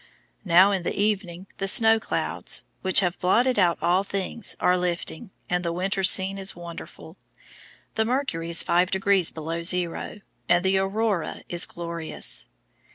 Now in the evening the snow clouds, which have blotted out all things, are lifting, and the winter scene is wonderful. The mercury is 5 degrees below zero, and the aurora is glorious.